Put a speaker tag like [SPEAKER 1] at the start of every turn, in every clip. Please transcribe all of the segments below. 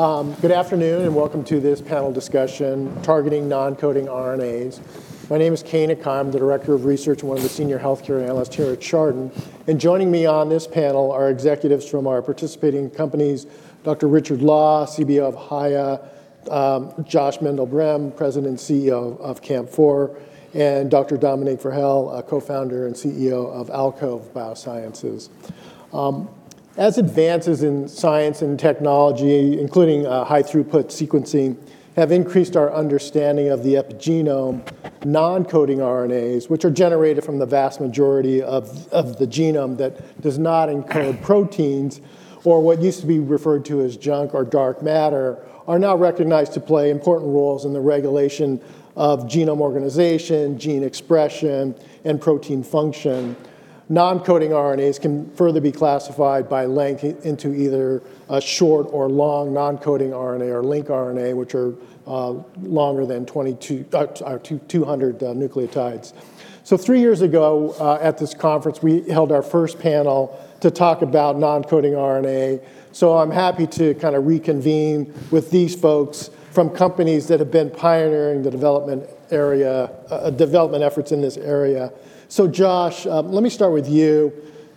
[SPEAKER 1] Good afternoon and welcome to this panel discussion targeting non-coding RNAs. My name is Keay Nakae, I'm the Director of Research and one of the Senior Healthcare Analysts here at Chardan. Joining me on this panel are executives from our participating companies, Dr. Richard Law, CBO of HAYA; Josh Mandel-Brehm, President and CEO of CAMP4; and Dr. Dominique Verhelle, Co-founder and CEO of Alcove Biosciences. As advances in science and technology, including high-throughput sequencing, have increased our understanding of the epigenome, non-coding RNAs, which are generated from the vast majority of the genome that does not encode proteins, or what used to be referred to as junk or dark matter, are now recognized to play important roles in the regulation of genome organization, gene expression, and protein function. Non-coding RNAs can further be classified by length into either a short or long non-coding RNA or lncRNA, which are longer than 200 nucleotides. Three years ago at this conference, we held our first panel to talk about non-coding RNA. I'm happy to kind of reconvene with these folks from companies that have been pioneering the development efforts in this area. Josh, let me start with you.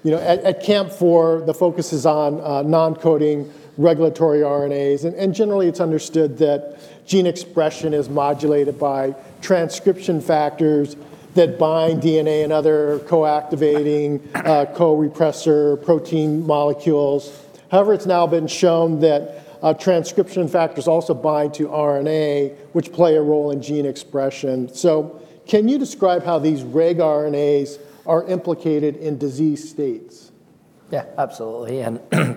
[SPEAKER 1] At CAMP4, the focus is on non-coding regulatory RNAs, and generally it's understood that gene expression is modulated by transcription factors that bind DNA and other co-activating co-repressor protein molecules. However, it's now been shown that transcription factors also bind to RNA, which play a role in gene expression. Can you describe how these regRNAs are implicated in disease states?
[SPEAKER 2] Yeah, absolutely.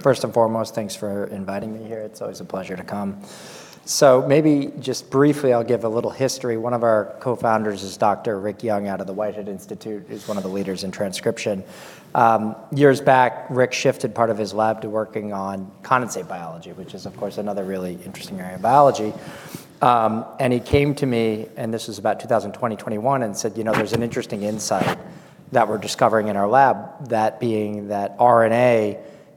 [SPEAKER 2] First and foremost, thanks for inviting me here. It's always a pleasure to come. Maybe just briefly, I'll give a little history. One of our co-founders is Dr. Rick Young out of the Whitehead Institute, who is one of the leaders in transcription. Years back, Rick shifted part of his lab to working on condensate biology, which is, of course, another really interesting area of biology. He came to me, and this was about 2021, and said, "You know, there's an interesting insight that we're discovering in our lab, that being that RNA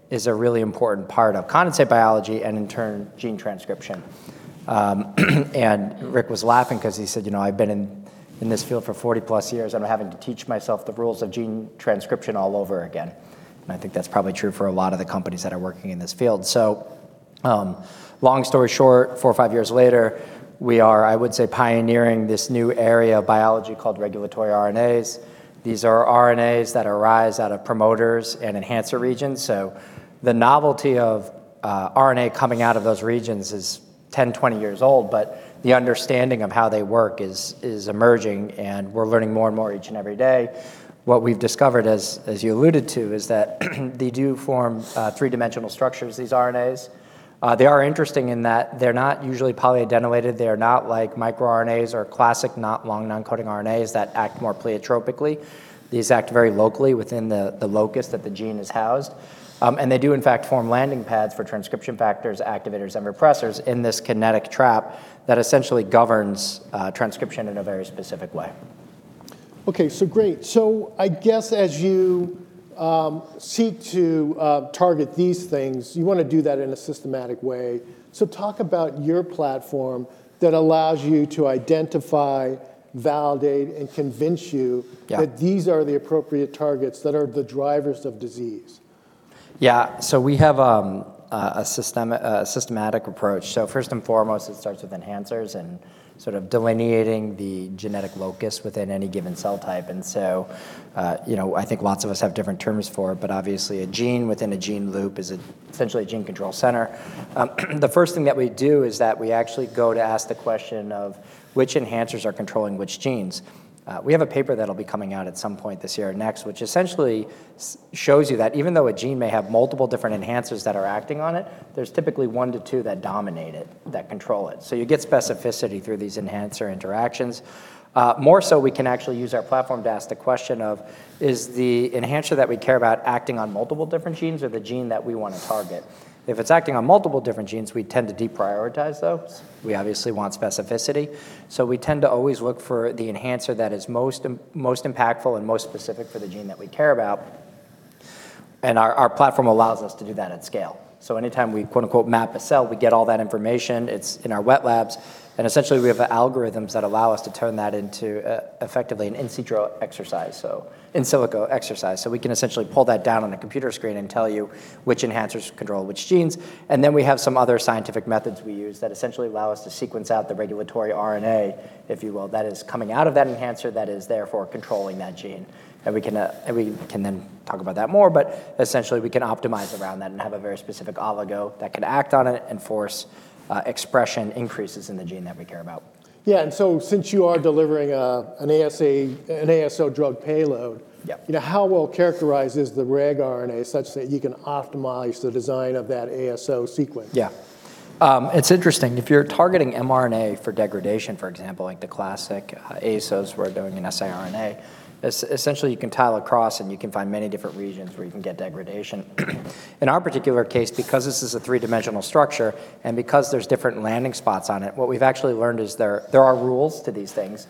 [SPEAKER 2] is a really important part of condensate biology and in turn gene transcription." Rick was laughing because he said, "You know, I've been in this field for 40+ years. I'm having to teach myself the rules of gene transcription all over again." I think that's probably true for a lot of the companies that are working in this field. Long story short, four or five years later, we are, I would say, pioneering this new area of biology called regulatory RNAs. These are RNAs that arise out of promoters and enhancer regions. The novelty of RNA coming out of those regions is 10-20 years old, but the understanding of how they work is emerging, and we're learning more and more each and every day. What we've discovered, as you alluded to, is that they do form three-dimensional structures, these RNAs. They are interesting in that they're not usually polyadenylated. They are not like microRNAs or classic long non-coding RNAs that act more pleiotropically. These act very locally within the locus that the gene is housed. They do, in fact, form landing pads for transcription factors, activators, and repressors in this kinetic trap that essentially governs transcription in a very specific way.
[SPEAKER 1] Okay, great. I guess as you seek to target these things, you want to do that in a systematic way. Talk about your platform that allows you to identify, validate, and convince you that these are the appropriate targets that are the drivers of disease.
[SPEAKER 2] Yeah. We have a systematic approach. First and foremost, it starts with enhancers and delineating the genetic locus within any given cell type. I think lots of us have different terms for it, but obviously a gene within a gene loop is essentially a gene control center. The first thing that we do is that we actually go to ask the question of which enhancers are controlling which genes. We have a paper that'll be coming out at some point this year or next, which essentially shows you that even though a gene may have multiple different enhancers that are acting on it, there's typically one to two that dominate it, that control it. You get specificity through these enhancer interactions. More so, we can actually use our platform to ask the question of, is the enhancer that we care about acting on multiple different genes or the gene that we want to target? If it's acting on multiple different genes, we tend to deprioritize those. We obviously want specificity. We tend to always look for the enhancer that is most impactful and most specific for the gene that we care about. Our platform allows us to do that at scale. Anytime we "map" a cell, we get all that information. It's in our wet labs. Essentially, we have algorithms that allow us to turn that into effectively an in silico exercise. We can essentially pull that down on a computer screen and tell you which enhancers control which genes. Then we have some other scientific methods we use that essentially allow us to sequence out the regulatory RNA, if you will, that is coming out of that enhancer that is therefore controlling that gene. We can then talk about that more, but essentially we can optimize around that and have a very specific oligo that can act on it and force expression increases in the gene that we care about.
[SPEAKER 1] Yeah. Since you are delivering an ASO drug payload, how well characterized is the regRNA such that you can optimize the design of that ASO sequence?
[SPEAKER 2] Yeah. It's interesting. If you're targeting mRNA for degradation, for example, like the classic ASOs we're doing in siRNA, essentially you can tile across and you can find many different regions where you can get degradation. In our particular case, because this is a three-dimensional structure and because there's different landing spots on it, what we've actually learned is there are rules to these things.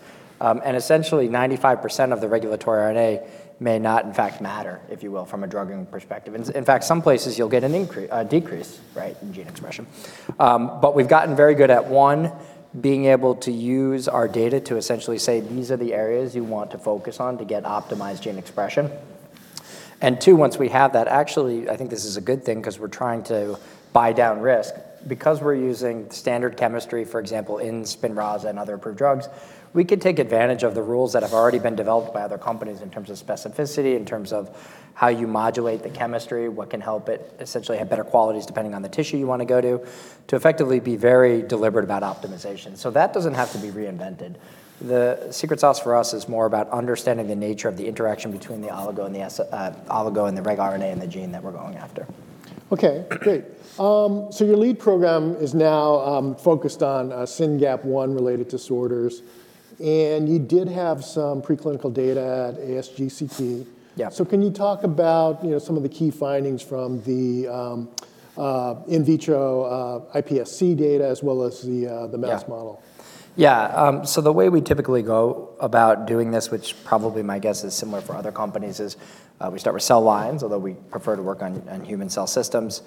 [SPEAKER 2] Essentially, 95% of the regulatory RNA may not, in fact, matter, if you will, from a drugging perspective. In fact, some places you'll get a decrease in gene expression. But we've gotten very good at, one, being able to use our data to essentially say, these are the areas you want to focus on to get optimized gene expression. Two, once we have that, actually, I think this is a good thing because we're trying to buy down risk. Because we're using standard chemistry, for example, in Spinraza and other approved drugs, we could take advantage of the rules that have already been developed by other companies in terms of specificity, in terms of how you modulate the chemistry, what can help it essentially have better qualities depending on the tissue you want to go to, to effectively be very deliberate about optimization. That doesn't have to be reinvented. The secret sauce for us is more about understanding the nature of the interaction between the oligo and the regRNA and the gene that we're going after.
[SPEAKER 1] Okay, great. Your lead program is now focused on SYNGAP1 related disorders. You did have some preclinical data at ASGCP. Can you talk about some of the key findings from the in vitro iPSC data as well as the mouse model?
[SPEAKER 2] Yeah. The way we typically go about doing this, which probably my guess is similar for other companies, is we start with cell lines, although we prefer to work on human cell systems.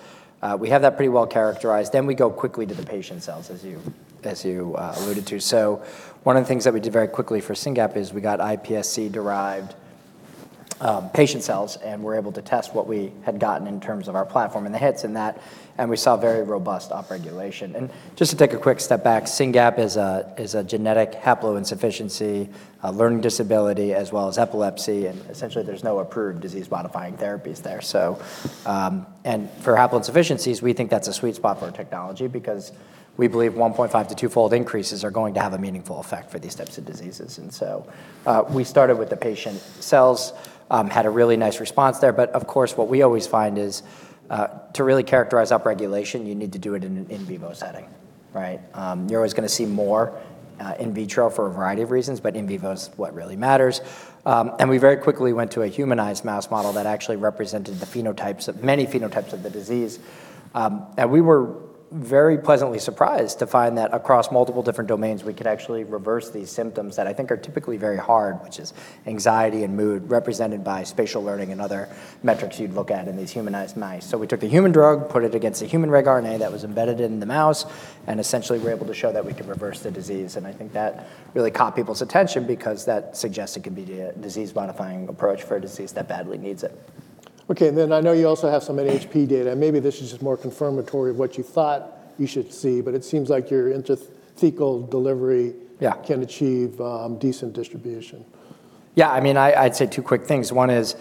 [SPEAKER 2] We have that pretty well characterized. Then we go quickly to the patient cells, as you alluded to. One of the things that we did very quickly for SYNGAP1 is we got iPSC-derived patient cells and we're able to test what we had gotten in terms of our platform in the hits in that, and we saw very robust upregulation. Just to take a quick step back, SYNGAP1 is a genetic haploinsufficiency, learning disability, as well as epilepsy. Essentially, there's no approved disease-modifying therapies there. For haploinsufficiencies, we think that's a sweet spot for our technology because we believe 1.5 to 2-fold increases are going to have a meaningful effect for these types of diseases. We started with the patient cells, had a really nice response there. But of course, what we always find is to really characterize upregulation, you need to do it in an in vivo setting. You're always going to see more in vitro for a variety of reasons, but in vivo is what really matters. We very quickly went to a humanized mouse model that actually represented many phenotypes of the disease. We were very pleasantly surprised to find that across multiple different domains, we could actually reverse these symptoms that I think are typically very hard, which is anxiety and mood, represented by spatial learning and other metrics you'd look at in these humanized mice. We took the human drug, put it against a human regRNA that was embedded in the mouse, and essentially we're able to show that we could reverse the disease. I think that really caught people's attention because that suggests it can be a disease-modifying approach for a disease that badly needs it.
[SPEAKER 1] Okay. Then I know you also have some NHP data. Maybe this is just more confirmatory of what you thought you should see, but it seems like your intrathecal delivery can achieve decent distribution.
[SPEAKER 2] Yeah. I'd say two quick things. One is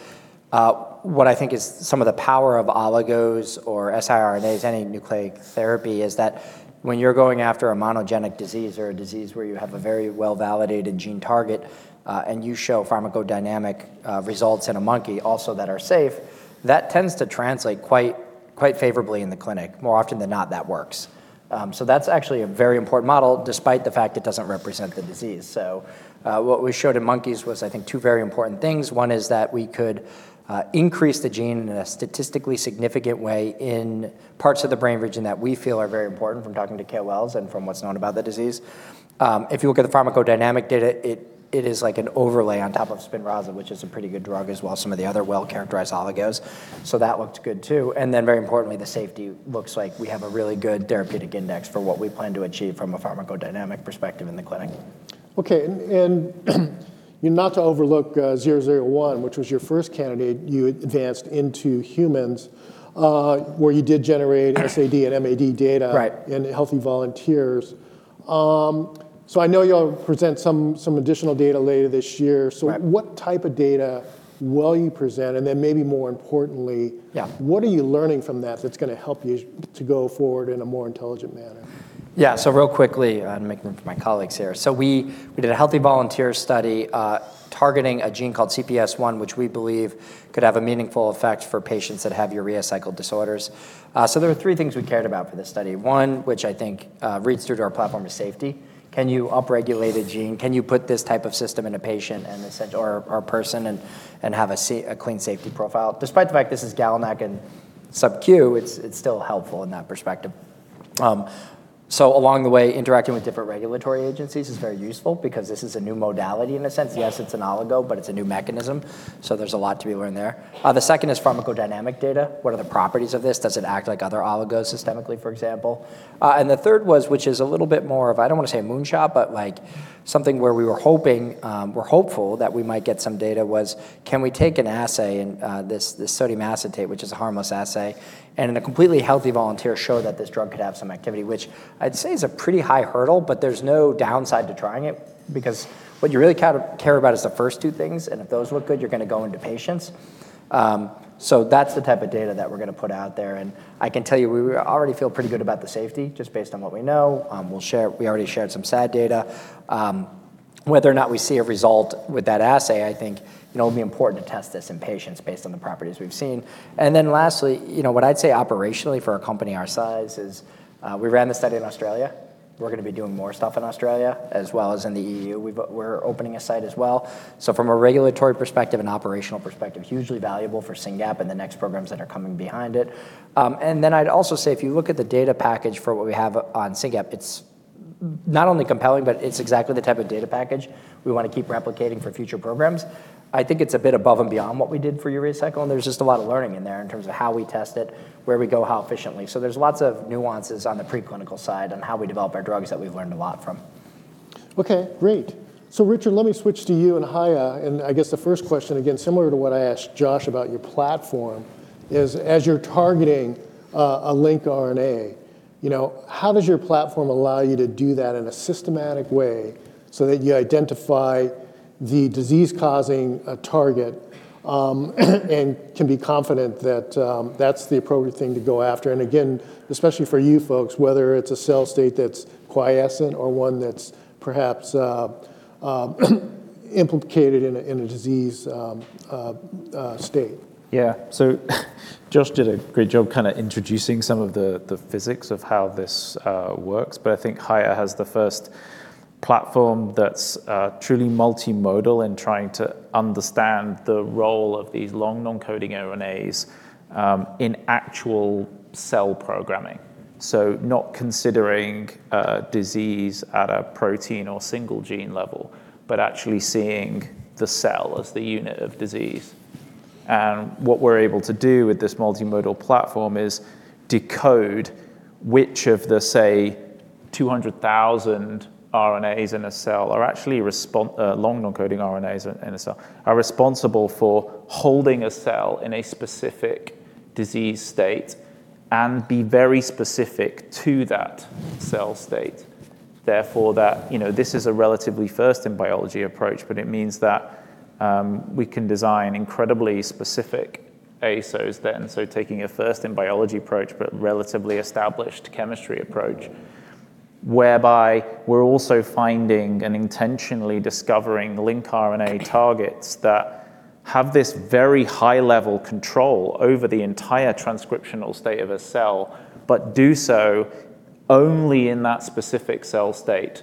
[SPEAKER 2] what I think is some of the power of oligos or siRNAs, any nucleic therapy, is that when you're going after a monogenic disease or a disease where you have a very well-validated gene target and you show pharmacodynamic results in a monkey also that are safe, that tends to translate quite favorably in the clinic. More often than not, that works. That's actually a very important model despite the fact it doesn't represent the disease. What we showed in monkeys was, I think, two very important things. One is that we could increase the gene in a statistically significant way in parts of the brain region that we feel are very important from talking to KOLs and from what's known about the disease. If you look at the pharmacodynamic data, it is like an overlay on top of Spinraza, which is a pretty good drug as well as some of the other well-characterized oligos. That looked good too. Then very importantly, the safety looks like we have a really good therapeutic index for what we plan to achieve from a pharmacodynamic perspective in the clinic.
[SPEAKER 1] Okay. Not to overlook 001, which was your first candidate, you advanced into humans where you did generate SAD and MAD data in healthy volunteers. I know you'll present some additional data later this year. What type of data will you present? Then maybe more importantly, what are you learning from that that's going to help you to go forward in a more intelligent manner?
[SPEAKER 2] Yeah. Real quickly, I'm making room for my colleagues here. We did a healthy volunteer study targeting a gene called CPS1, which we believe could have a meaningful effect for patients that have urea cycle disorders. There were three things we cared about for this study. One, which I think reads through to our platform of safety. Can you upregulate a gene? Can you put this type of system in a patient or a person and have a clean safety profile? Despite the fact this is GalNAc and SubQ, it's still helpful in that perspective. Along the way, interacting with different regulatory agencies is very useful because this is a new modality in a sense. Yes, it's an oligo, but it's a new mechanism. There's a lot to be learned there. The second is pharmacodynamic data. What are the properties of this? Does it act like other oligos systemically, for example? The third was, which is a little bit more of, I don't want to say a moonshot, but something where we were hoping we're hopeful that we might get some data was, can we take an assay, this sodium acetate, which is a harmless assay, and in a completely healthy volunteer show that this drug could have some activity, which I'd say is a pretty high hurdle, but there's no downside to trying it because what you really care about is the first two things. If those look good, you're going to go into patients. That's the type of data that we're going to put out there. I can tell you we already feel pretty good about the safety just based on what we know. We already shared some SAD data. Whether or not we see a result with that assay, I think it'll be important to test this in patients based on the properties we've seen. Then lastly, what I'd say operationally for a company our size is we ran the study in Australia. We're going to be doing more stuff in Australia as well as in the EU. We're opening a site as well. From a regulatory perspective and operational perspective, hugely valuable for SYNGAP and the next programs that are coming behind it. Then I'd also say if you look at the data package for what we have on SYNGAP, it's not only compelling, but it's exactly the type of data package we want to keep replicating for future programs. I think it's a bit above and beyond what we did for urea cycle. There's just a lot of learning in there in terms of how we test it, where we go, how efficiently. There's lots of nuances on the preclinical side and how we develop our drugs that we've learned a lot from.
[SPEAKER 1] Okay, great. Richard, let me switch to you and HAYA. I guess the first question, again, similar to what I asked Josh about your platform, is as you're targeting an lncRNA, how does your platform allow you to do that in a systematic way so that you identify the disease-causing target and can be confident that that's the appropriate thing to go after? Again, especially for you folks, whether it's a cell state that's quiescent or one that's perhaps implicated in a disease state.
[SPEAKER 3] Yeah. Josh did a great job kind of introducing some of the physics of how this works. But I think HAYA has the first platform that's truly multimodal in trying to understand the role of these long non-coding RNAs in actual cell programming. Not considering disease at a protein or single gene level, but actually seeing the cell as the unit of disease. What we're able to do with this multimodal platform is decode which of the, say, 200,000 RNAs in a cell are actually long non-coding RNAs responsible for holding a cell in a specific disease state and be very specific to that cell state. Therefore, this is a relatively first in biology approach, but it means that we can design incredibly specific ASOs then. Taking a first in biology approach, but relatively established chemistry approach, whereby we're also finding and intentionally discovering lncRNA targets that have this very high-level control over the entire transcriptional state of a cell, but do so only in that specific cell state.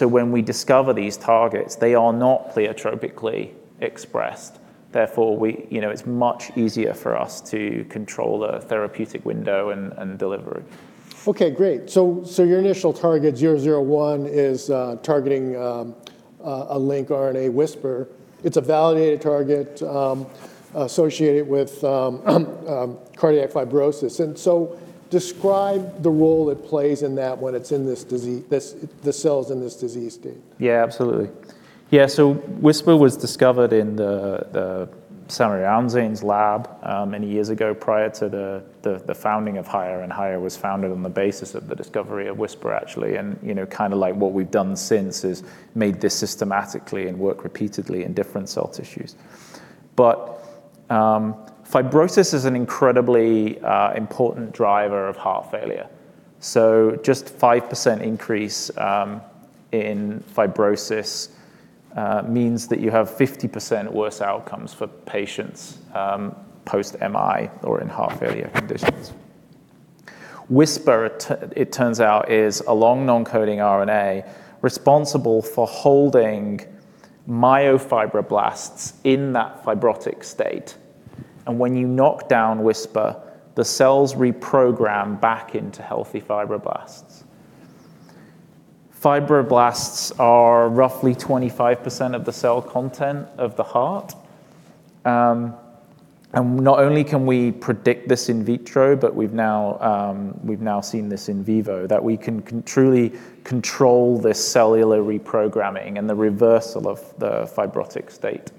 [SPEAKER 3] When we discover these targets, they are not pleiotropically expressed. Therefore, it's much easier for us to control the therapeutic window and delivery.
[SPEAKER 1] Okay, great. Your initial target 001 is targeting an lncRNA Wisper. It's a validated target associated with cardiac fibrosis. Describe the role it plays in that when the cell's in this disease state.
[SPEAKER 3] Yeah, absolutely. Yeah. Wisper was discovered in the Samir Ounzain's lab many years ago prior to the founding of HAYA and HAYA was founded on the basis of the discovery of Wisper, actually. Kind of like what we've done since is made this systematically and work repeatedly in different cell tissues. But fibrosis is an incredibly important driver of heart failure. Just 5% increase in fibrosis means that you have 50% worse outcomes for patients post-MI or in heart failure conditions. Wisper, it turns out, is a long non-coding RNA responsible for holding myofibroblasts in that fibrotic state. When you knock down Wisper, the cells reprogram back into healthy fibroblasts. Fibroblasts are roughly 25% of the cell content of the heart. Not only can we predict this in vitro, but we've now seen this in vivo that we can truly control this cellular reprogramming and the reversal of the fibrotic state.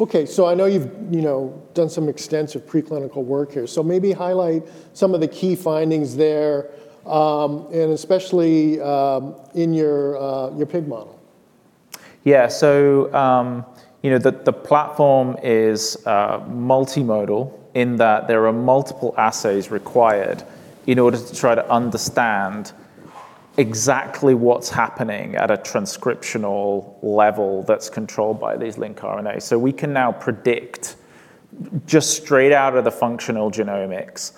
[SPEAKER 1] Okay. I know you've done some extensive preclinical work here. Maybe highlight some of the key findings there and especially in your pig model.
[SPEAKER 3] Yeah. The platform is multimodal in that there are multiple assays required in order to try to understand exactly what's happening at a transcriptional level that's controlled by these lncRNAs. We can now predict just straight out of the functional genomics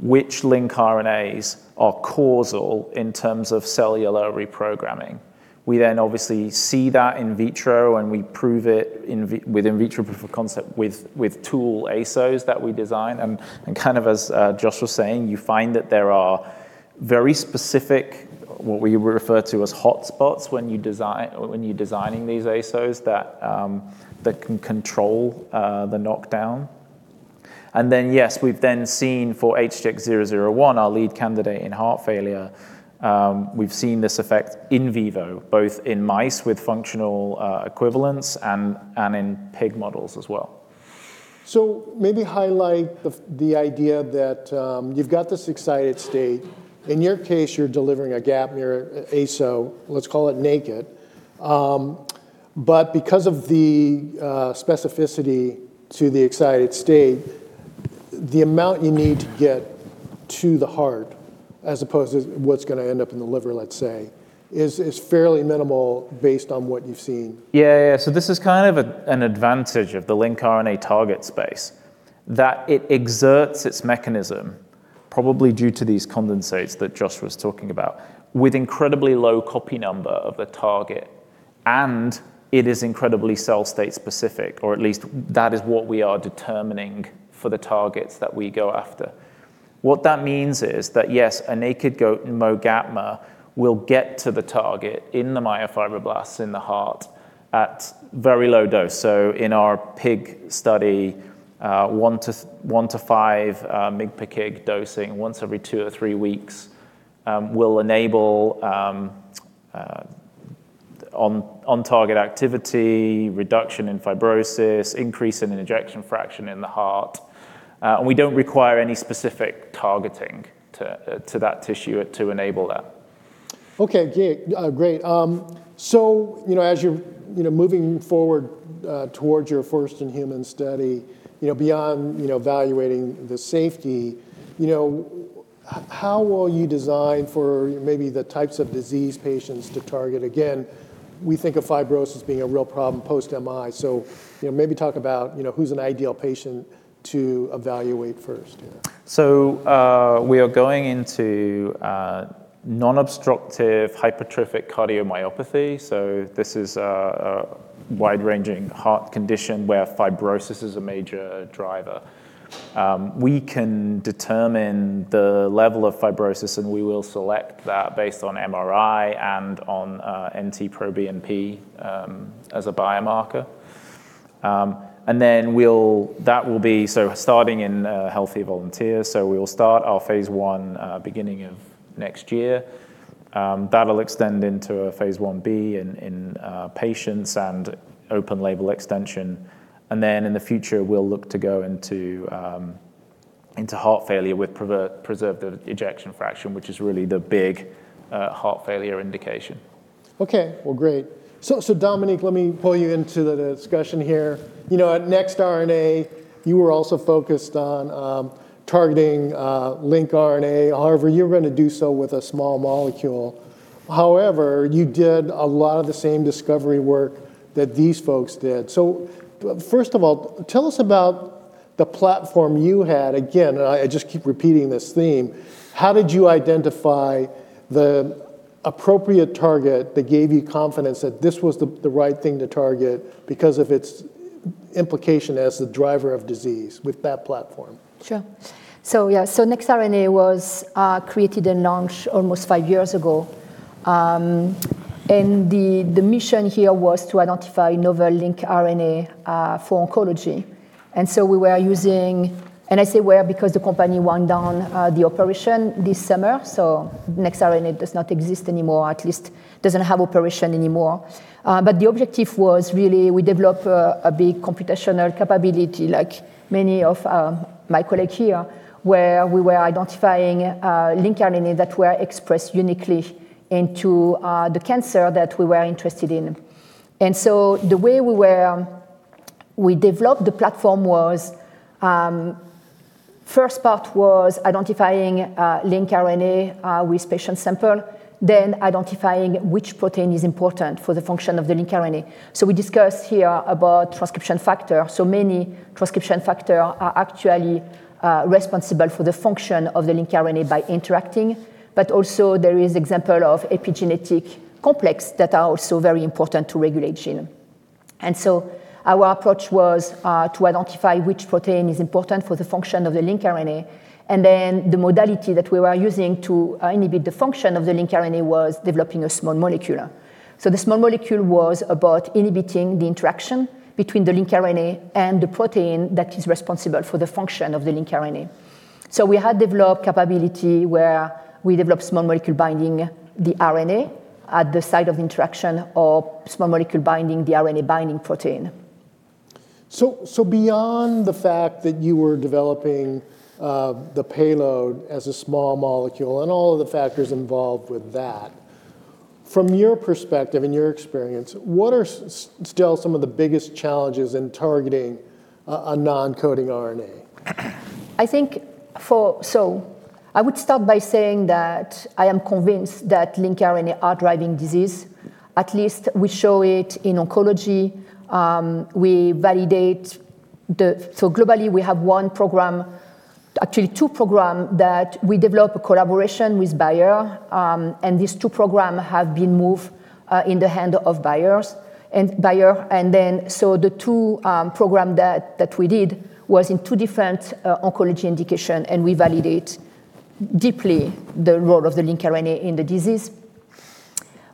[SPEAKER 3] which lncRNAs are causal in terms of cellular reprogramming. We then obviously see that in vitro and we prove it with in vitro proof of concept with tool ASOs that we design. Kind of as Josh was saying, you find that there are very specific, what we refer to as hotspots when you're designing these ASOs that can control the knockdown. Then yes, we've then seen for HTX-001, our lead candidate in heart failure, we've seen this effect in vivo, both in mice with functional equivalents and in pig models as well.
[SPEAKER 1] Maybe highlight the idea that you've got this excited state. In your case, you're delivering a gapmer ASO, let's call it naked. But because of the specificity to the excited state, the amount you need to get to the heart as opposed to what's going to end up in the liver, let's say, is fairly minimal based on what you've seen.
[SPEAKER 3] Yeah. This is kind of an advantage of the lncRNA target space that it exerts its mechanism, probably due to these condensates that Josh was talking about, with incredibly low copy number of the target. It is incredibly cell state specific, or at least that is what we are determining for the targets that we go after. What that means is that yes, a naked [goat] mode gapmer will get to the target in the myofibroblasts in the heart at very low dose. In our pig study, 1 to 5 mg/kg dosing once every two or three weeks will enable on-target activity, reduction in fibrosis, increase in ejection fraction in the heart. We don't require any specific targeting to that tissue to enable that.
[SPEAKER 1] Okay, great. As you're moving forward towards your first in human study, beyond evaluating the safety, how will you design for maybe the types of disease patients to target? Again, we think of fibrosis being a real problem post-MI. Maybe talk about who's an ideal patient to evaluate first.
[SPEAKER 3] We are going into non-obstructive hypertrophic cardiomyopathy. This is a wide-ranging heart condition where fibrosis is a major driver. We can determine the level of fibrosis and we will select that based on MRI and on NT-proBNP as a biomarker. Then that will be starting in healthy volunteers. We will start our phase I beginning of next year. That will extend into a phase I-B in patients and open-label extension. Then in the future, we'll look to go into heart failure with preserved ejection fraction, which is really the big heart failure indication.
[SPEAKER 1] Okay. Well, great. Dominique, let me pull you into the discussion here. At NextRNA, you were also focused on targeting lncRNA. However, you're going to do so with a small molecule. However, you did a lot of the same discovery work that these folks did. First of all, tell us about the platform you had. Again, I just keep repeating this theme. How did you identify the appropriate target that gave you confidence that this was the right thing to target because of its implication as the driver of disease with that platform?
[SPEAKER 4] Sure. NextRNA was created and launched almost five years ago. The mission here was to identify novel lncRNA for oncology. We were using, and I say were because the company wound down the operation this summer. NextRNA does not exist anymore, at least doesn't have operation anymore. But the objective was really we develop a big computational capability like many of my colleagues here, where we were identifying lncRNA that were expressed uniquely into the cancer that we were interested in. The way we developed the platform was first part was identifying lncRNA with patient sample, then identifying which protein is important for the function of the lncRNA. We discussed here about transcription factors. Many transcription factors are actually responsible for the function of the lncRNA by interacting. But also there is an example of epigenetic complex that are also very important to regulate gene. Our approach was to identify which protein is important for the function of the lncRNA. Then the modality that we were using to inhibit the function of the lncRNA was developing a small molecule. The small molecule was about inhibiting the interaction between the lncRNA and the protein that is responsible for the function of the lncRNA. We had developed capability where we developed small molecule binding the lncRNA at the site of the interaction or small molecule binding the RNA binding protein.
[SPEAKER 1] Beyond the fact that you were developing the payload as a small molecule and all of the factors involved with that, from your perspective and your experience, what are still some of the biggest challenges in targeting a non-coding RNA?
[SPEAKER 4] I think I would start by saying that I am convinced that lncRNA are driving disease. At least we show it in oncology. Globally, we have one program, actually two programs that we developed a collaboration with Bayer. These two programs have been moved into the hands of Bayer. The two programs that we did were in two different oncology indications and we validate deeply the role of the lncRNA in the disease.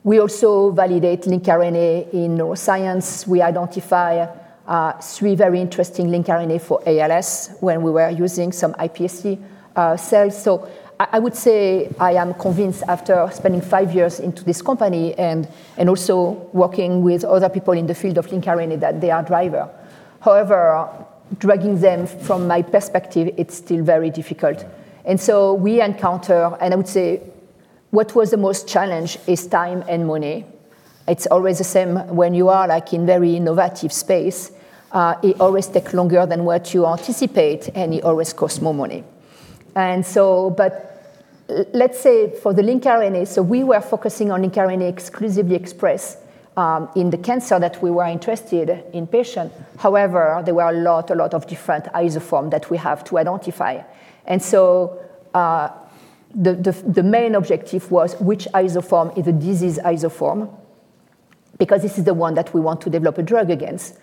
[SPEAKER 4] We also validate lncRNA in neuroscience. We identify three very interesting lncRNA for ALS when we were using some iPSC cells. I would say I am convinced after spending five years in this company and also working with other people in the field of lncRNA that they are drivers. However, drugging them from my perspective, it's still very difficult. We encounter, and I would say what was the most challenge is time and money. It's always the same when you are in very innovative space. It always takes longer than what you anticipate and it always costs more money. But let's say for the lncRNA, we were focusing on lncRNA exclusively expressed in the cancer that we were interested in patients. However, there were a lot of different isoforms that we have to identify. The main objective was which isoform is a disease isoform because this is the one that we want to develop a drug against.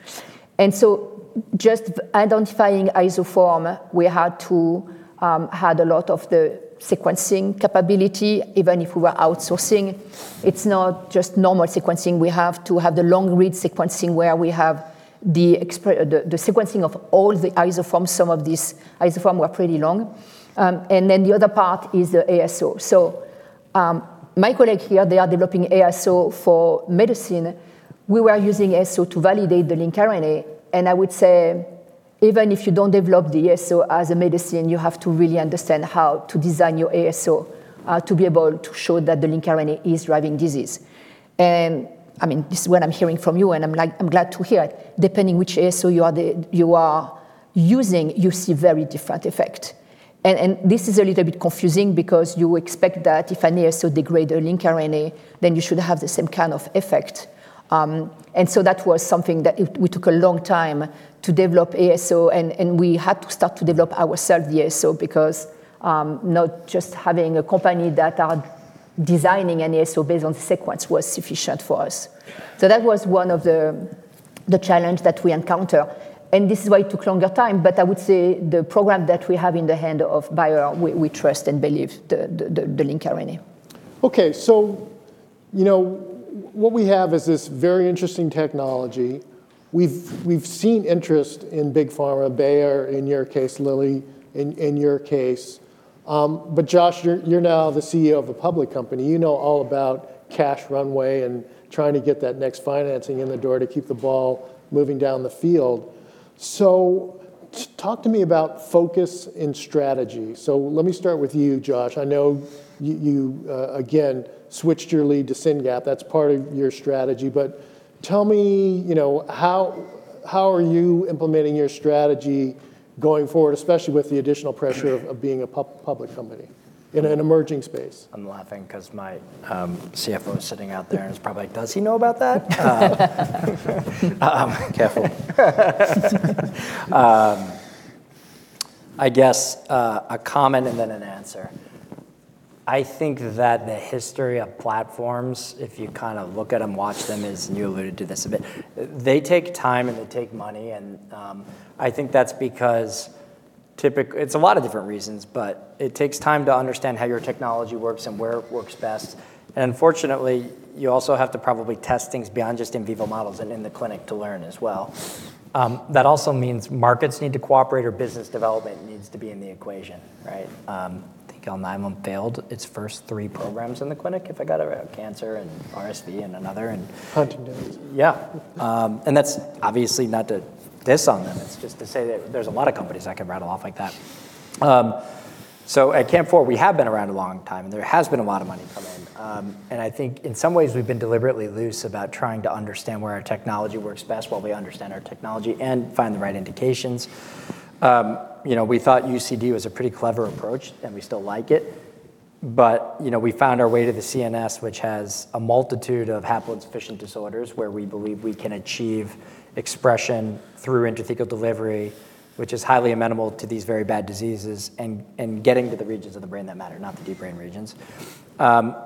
[SPEAKER 4] Just identifying isoform, we had to have a lot of the sequencing capability, even if we were outsourcing. It's not just normal sequencing. We have to have the long read sequencing where we have the sequencing of all the isoforms. Some of these isoforms were pretty long. Then the other part is the ASO. My colleague here, they are developing ASO for medicine. We were using ASO to validate the lncRNA. I would say even if you don't develop the ASO as a medicine, you have to really understand how to design your ASO to be able to show that the lncRNA is driving disease. This is what I'm hearing from you and I'm glad to hear. Depending which ASO you are using, you see very different effects. This is a little bit confusing because you expect that if an ASO degrades a lncRNA, then you should have the same kind of effect. That was something that we took a long time to develop ASO and we had to start to develop ourselves the ASO because not just having a company that are designing an ASO based on the sequence was sufficient for us. That was one of the challenges that we encountered. This is why it took longer time. But I would say the program that we have in the hands of Bayer, we trust and believe the lncRNA.
[SPEAKER 1] Okay. What we have is this very interesting technology. We've seen interest in big pharma, Bayer in your case, Lilly in your case. But Josh, you're now the CEO of a public company. You know all about cash runway and trying to get that next financing in the door to keep the ball moving down the field. Talk to me about focus in strategy. Let me start with you, Josh. I know you again switched your lead to SYNGAP. That's part of your strategy. But tell me, how are you implementing your strategy going forward, especially with the additional pressure of being a public company in an emerging space?
[SPEAKER 2] I'm laughing because my CFO is sitting out there and is probably like, does he know about that? Careful. I guess a comment and then an answer. I think that the history of platforms, if you kind of look at them, watch them, as you alluded to this a bit, they take time and they take money. I think that's because it's a lot of different reasons, but it takes time to understand how your technology works and where it works best. Unfortunately, you also have to probably test things beyond just in vivo models and in the clinic to learn as well. That also means markets need to cooperate or business development needs to be in the equation. I think Alnylam failed its first three programs in the clinic. I forgot cancer and RSV and another.
[SPEAKER 1] Huntington's.
[SPEAKER 2] Yeah. That's obviously not to diss on them. It's just to say that there's a lot of companies that can rattle off like that. At CAMP4, we have been around a long time and there has been a lot of money come in. I think in some ways we've been deliberately loose about trying to understand where our technology works best while we understand our technology and find the right indications. We thought UCD was a pretty clever approach and we still like it. But we found our way to the CNS, which has a multitude of haploinsufficient disorders where we believe we can achieve expression through intrathecal delivery, which is highly amenable to these very bad diseases and getting to the regions of the brain that matter, not the deep brain regions.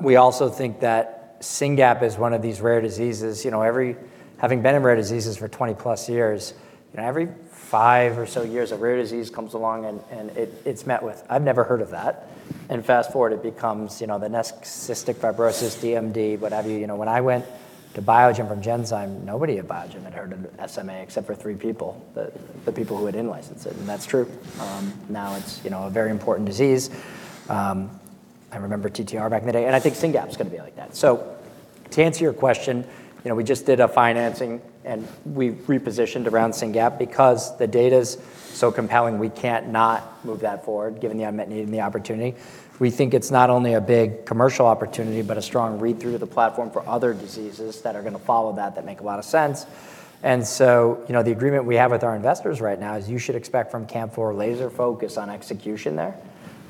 [SPEAKER 2] We also think that SYNGAP1 is one of these rare diseases. Having been in rare diseases for 20 plus years, every five or so years a rare disease comes along and it's met with, I've never heard of that. Fast forward, it becomes the next cystic fibrosis, DMD, what have you. When I went to Biogen from Genzyme, nobody at Biogen had heard of SMA except for three people, the people who had in-licensed it. That's true. Now it's a very important disease. I remember TTR back in the day. I think SYNGAP1 is going to be like that. To answer your question, we just did a financing and we repositioned around SYNGAP1 because the data is so compelling we can't not move that forward given the unmet need and the opportunity. We think it's not only a big commercial opportunity, but a strong read-through of the platform for other diseases that are going to follow that that make a lot of sense. The agreement we have with our investors right now is you should expect from CAMP4 laser focus on execution there.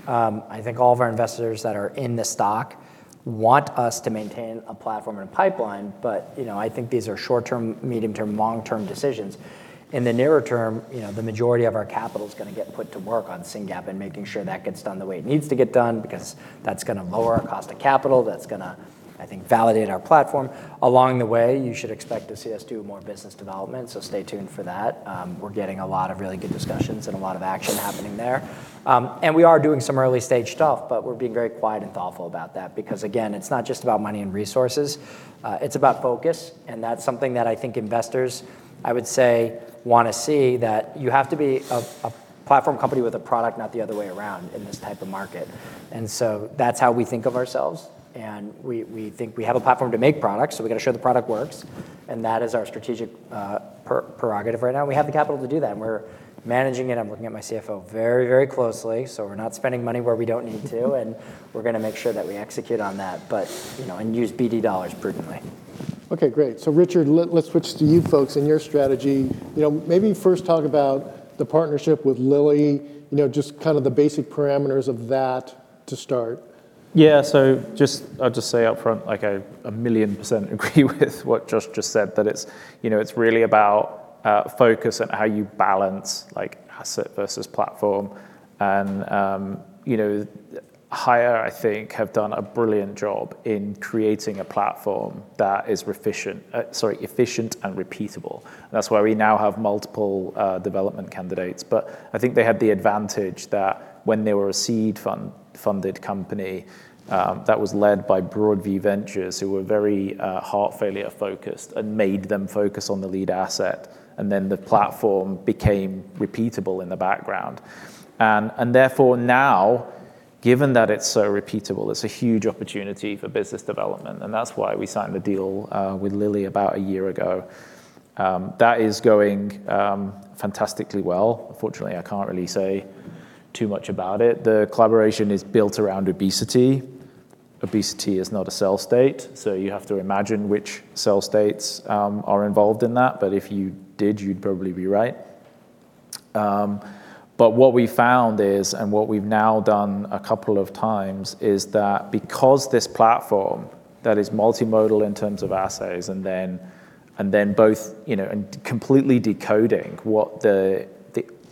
[SPEAKER 2] I think all of our investors that are in the stock want us to maintain a platform and a pipeline. But I think these are short-term, medium-term, long-term decisions. In the nearer term, the majority of our capital is going to get put to work on SYNGAP and making sure that gets done the way it needs to get done because that's going to lower our cost of capital. That's going to, I think, validate our platform. Along the way, you should expect to see us do more business development. Stay tuned for that. We're getting a lot of really good discussions and a lot of action happening there. We are doing some early stage stuff, but we're being very quiet and thoughtful about that because again, it's not just about money and resources. It's about focus. That's something that I think investors, I would say, want to see that you have to be a platform company with a product, not the other way around in this type of market. That's how we think of ourselves. We think we have a platform to make products, so we got to show the product works. That is our strategic prerogative right now. We have the capital to do that. We're managing it. I'm looking at my CFO very, very closely. We're not spending money where we don't need to. We're going to make sure that we execute on that and use BD dollars prudently.
[SPEAKER 1] Okay, great. Richard, let's switch to you folks and your strategy. Maybe first talk about the partnership with Lilly, just kind of the basic parameters of that to start.
[SPEAKER 3] Yeah. I'll just say upfront, like I a million percent agree with what Josh just said. It's really about focus and how you balance asset versus platform. HAYA, I think, have done a brilliant job in creating a platform that is efficient and repeatable. That's why we now have multiple development candidates. But I think they had the advantage that when they were a seed funded company that was led by Broadview Ventures who were very heart failure focused and made them focus on the lead asset. Then the platform became repeatable in the background. Therefore now, given that it's so repeatable, it's a huge opportunity for business development. That's why we signed the deal with Lilly about a year ago. That is going fantastically well. Unfortunately, I can't really say too much about it. The collaboration is built around obesity. Obesity is not a cell state. You have to imagine which cell states are involved in that. But if you did, you'd probably be right. But what we found is, and what we've now done a couple of times, is that because this platform that is multimodal in terms of assays and then both completely decoding what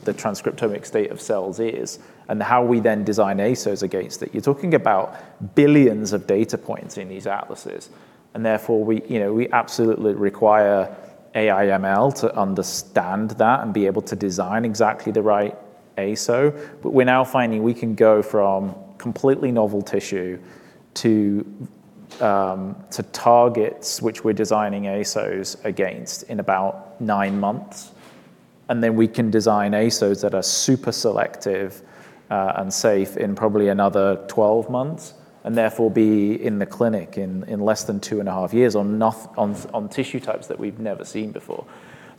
[SPEAKER 3] the transcriptomic state of cells is and how we then design ASOs against it, you're talking about billions of data points in these atlases. Therefore, we absolutely require AI/ML to understand that and be able to design exactly the right ASO. But we're now finding we can go from completely novel tissue to targets which we're designing ASOs against in about nine months. Then we can design ASOs that are super selective and safe in probably another 12 months and therefore be in the clinic in less than two and a half years on tissue types that we've never seen before.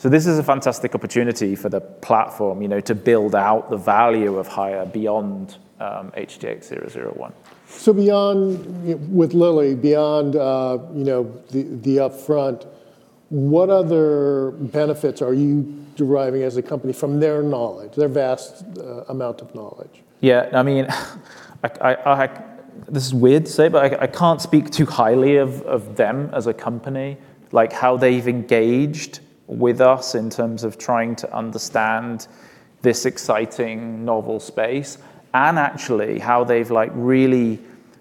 [SPEAKER 3] This is a fantastic opportunity for the platform to build out the value of HAYA beyond HTX-001.
[SPEAKER 1] With Lilly, beyond the upfront, what other benefits are you deriving as a company from their knowledge, their vast amount of knowledge?
[SPEAKER 3] Yeah. This is weird to say, but I can't speak too highly of them as a company, like how they've engaged with us in terms of trying to understand this exciting novel space and actually how they've really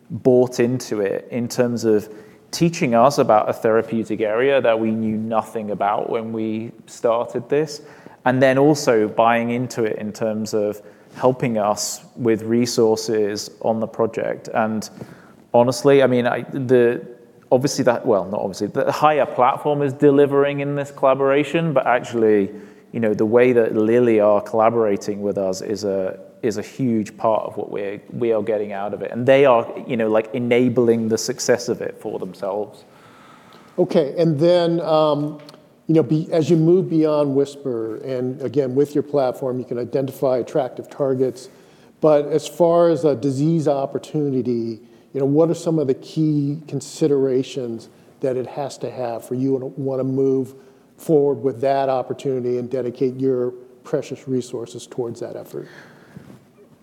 [SPEAKER 3] bought into it in terms of teaching us about a therapeutic area that we knew nothing about when we started this. Then also buying into it in terms of helping us with resources on the project. Honestly, obviously, well, not obviously, the HAYA platform is delivering in this collaboration. But actually, the way that Lilly are collaborating with us is a huge part of what we are getting out of it. They are enabling the success of it for themselves.
[SPEAKER 1] Okay. Then as you move beyond Wisper and again with your platform, you can identify attractive targets. But as far as a disease opportunity, what are some of the key considerations that it has to have for you to want to move forward with that opportunity and dedicate your precious resources towards that effort?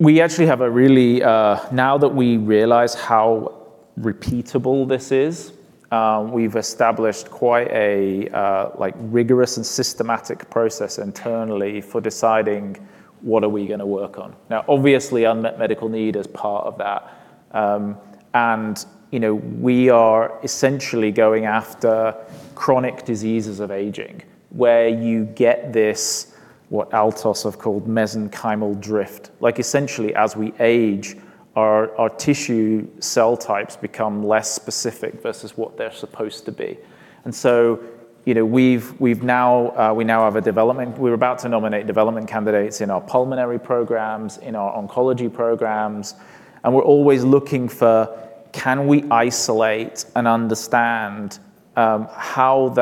[SPEAKER 3] We actually have a really, now that we realize how repeatable this is, we've established quite a rigorous and systematic process internally for deciding what are we going to work on. Now, obviously, unmet medical need is part of that. We are essentially going after chronic diseases of aging where you get this, what Altos have called mesenchymal drift. Essentially, as we age, our tissue cell types become less specific versus what they're supposed to be. We now have a development. We're about to nominate development candidates in our pulmonary programs, in our oncology programs. We're always looking for, can we isolate and understand how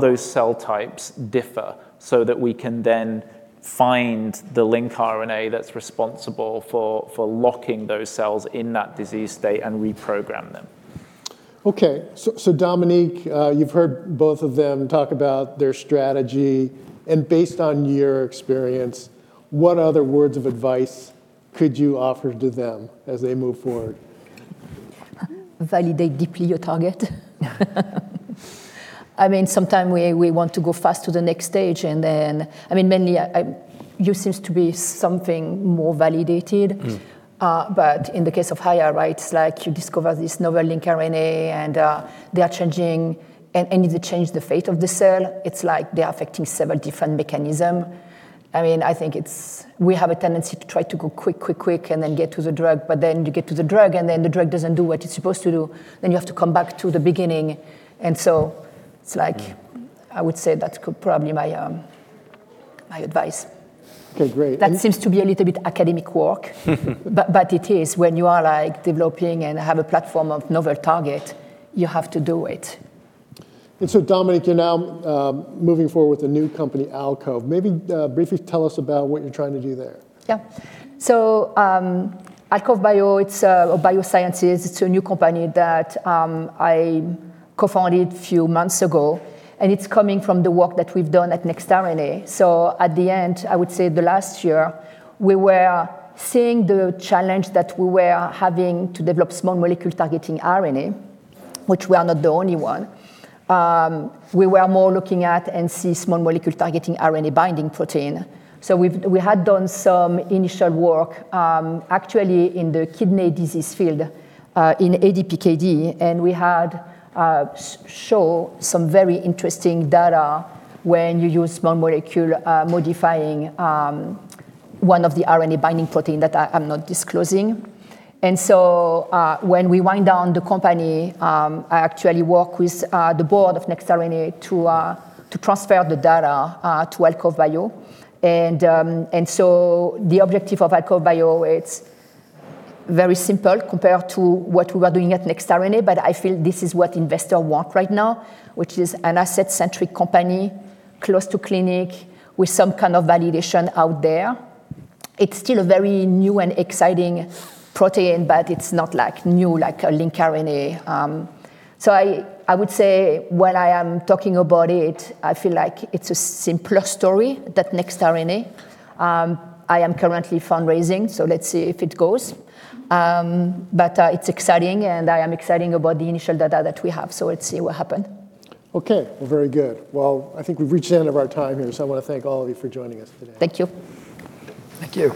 [SPEAKER 3] those cell types differ so that we can then find the lncRNA that's responsible for locking those cells in that disease state and reprogram them.
[SPEAKER 1] Okay. Dominique, you've heard both of them talk about their strategy. Based on your experience, what other words of advice could you offer to them as they move forward?
[SPEAKER 4] Validate deeply your target. I mean, sometimes we want to go fast to the next stage and then mainly use seems to be something more validated. But in the case of HAYA, right, it's like you discover this novel lncRNA and they are changing and it changed the fate of the cell. It's like they are affecting several different mechanisms. I think we have a tendency to try to go quick, quick, quick and then get to the drug. But then you get to the drug and then the drug doesn't do what it's supposed to do. Then you have to come back to the beginning. It's like I would say that's probably my advice.
[SPEAKER 1] Okay, great.
[SPEAKER 4] That seems to be a little bit academic work. But it is when you are developing and have a platform of novel target, you have to do it.
[SPEAKER 1] Dominique, you're now moving forward with a new company, Alcove. Maybe briefly tell us about what you're trying to do there.
[SPEAKER 4] Yeah. Alcove Biosciences, it's a new company that I co-founded a few months ago. It's coming from the work that we've done at NextRNA. At the end, I would say the last year, we were seeing the challenge that we were having to develop small molecule targeting RNA, which we are not the only one. We were more looking at and see small molecule targeting RNA binding protein. We had done some initial work actually in the kidney disease field in ADPKD and we had shown some very interesting data when you use small molecule modifying one of the RNA binding protein that I'm not disclosing. When we wind down the company, I actually work with the board of NextRNA to transfer the data to Alcove Biosciences. The objective of Alcove Biosciences, it's very simple compared to what we were doing at NextRNA. But I feel this is what investor want right now, which is an asset-centric company close to clinic with some kind of validation out there. It's still a very new and exciting protein, but it's not like new like a lncRNA. I would say when I am talking about it, I feel like it's a simpler story than NextRNA. I am currently fundraising, so let's see if it goes. But it's exciting and I am excited about the initial data that we have. Let's see what happens.
[SPEAKER 1] Okay. Very good. Well, I think we've reached the end of our time here. I want to thank all of you for joining us today.
[SPEAKER 4] Thank you.
[SPEAKER 2] Thank you.